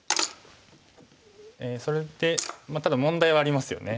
それでただ問題はありますよね。